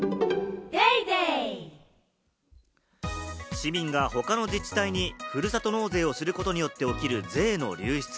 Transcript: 市民が他の自治体にふるさと納税をすることによって起きる税の流出。